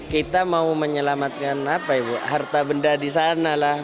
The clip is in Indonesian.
kita mau menyelamatkan apa ibu harta benda di sana lah